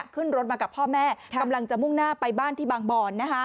ขึ้นรถมากับพ่อแม่กำลังจะมุ่งหน้าไปบ้านที่บางบอน